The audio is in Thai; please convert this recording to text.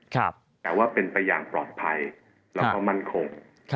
แต่ว่าเป็นไปอย่างปลอดภัยแล้วก็มั่นคง